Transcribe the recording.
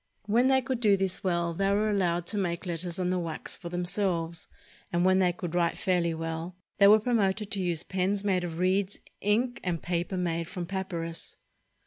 When they could do this well, they were allowed to make letters on the wax for themselves; and when they could write fairly well, they were promoted to use pens made of reeds, ink, and paper made from papynis.